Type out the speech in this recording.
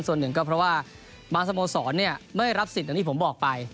ส่วนหนึ่งก็เพราะว่าบางสโมสรไม่รับสิทธิอย่างที่ผมบอกไป